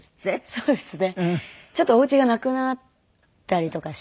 そうですね。